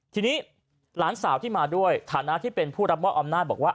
ทีนี้หลานสาวที่มาด้วยฐานะที่เป็นผู้รับมอบอำนาจบอกว่า